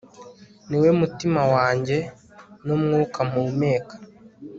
niwe mutima wanjye, n'umwuka mpumeka